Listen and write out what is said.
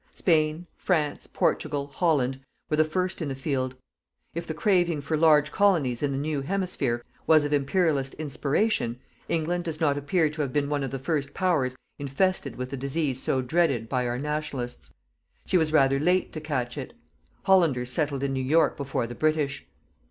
Spain, France, Portugal, Holland, were the first in the field. If the craving for large colonies in the new Hemisphere was of Imperialist inspiration, England does not appear to have been one of the first Powers infested with the disease so dreaded by our "Nationalists". She was rather late to catch it. Hollanders settled in New York before the British.